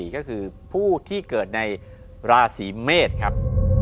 ก็คือผู้ที่เกิดในราศีเมษครับ